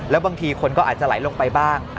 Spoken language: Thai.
แล้วบางทีคนก็อาจจะไหลลงไปบ้าง